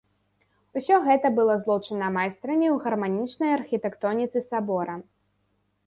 Усё гэта было злучана майстрамі ў гарманічнай архітэктоніцы сабора.